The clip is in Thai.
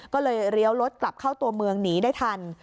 ก็เลยเลี้ยวรถกลับเข้าตัวเมืองหนีได้ทัน